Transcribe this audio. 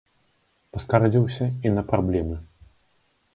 Паскардзіўся і на праблемы.